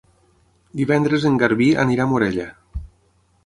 Divendres en Garbí anirà a Morella.